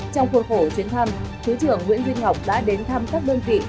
trong cuộc khổ chuyến thăm thủ trưởng nguyễn duy ngọc đã đến thăm các đơn vị